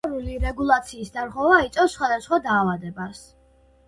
ჰუმორული რეგულაციის დარღვევა იწვევს სხვადასხვა დაავადებას.